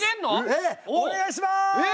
ええ！お願いします！